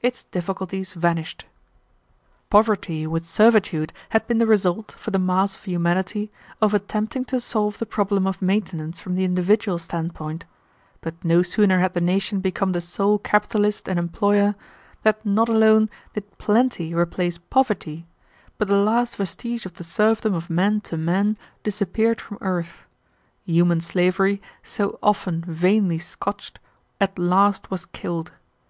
its difficulties vanished. "Poverty with servitude had been the result, for the mass of humanity, of attempting to solve the problem of maintenance from the individual standpoint, but no sooner had the nation become the sole capitalist and employer than not alone did plenty replace poverty, but the last vestige of the serfdom of man to man disappeared from earth. Human slavery, so often vainly scotched, at last was killed.